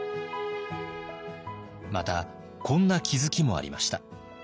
またこんな気付きもありました。